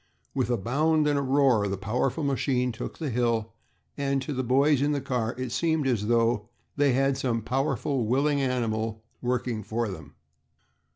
With a bound and a roar the powerful machine took the hill, and to the boys in the car it seemed as though they had some powerful, willing animal working for them.